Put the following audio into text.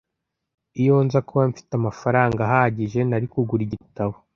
Iyo nza kuba mfite amafaranga ahagije, nari kugura igitabo.